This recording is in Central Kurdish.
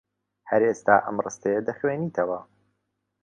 هەر ئێستا ئەم ڕستەیە دەخوێنیتەوە.